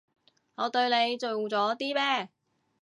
我對你做咗啲咩？